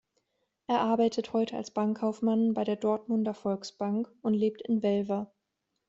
Er arbeitet heute als Bankkaufmann bei der Dortmunder Volksbank und lebt in Welver.